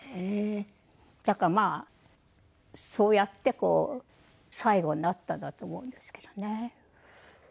だからまあそうやって最期になったんだと思うんですけどね。